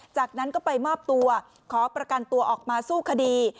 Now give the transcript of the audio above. จากนั้นก็ไปมอบตัวขอประกันตัวออกมาสู้คดี